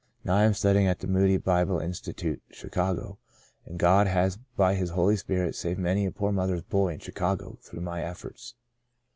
Now I am studying at the Moody Bible Institute, Chicago, and God has by His Holy Spirit saved many a poor mother's boy in Chicago through my efforts.